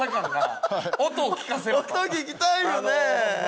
音聞きたいよね。